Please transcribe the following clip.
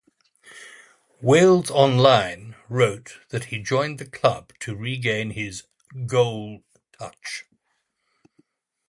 "Wales Online" wrote that he joined the club to regain his "goal touch".